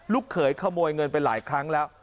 เขยขโมยเงินไปหลายครั้งแล้ว